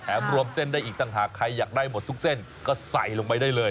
รวมเส้นได้อีกต่างหากใครอยากได้หมดทุกเส้นก็ใส่ลงไปได้เลย